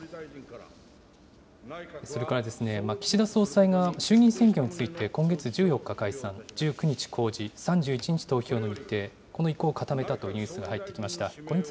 それから、岸田総裁が衆議院選挙について、今月１４日解散、１９日公示、３１日投票の日程、この意向を固めたというニュースが入ってきました。